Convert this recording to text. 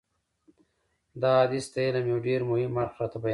دا حدیث د علم یو ډېر مهم اړخ راته بیانوي.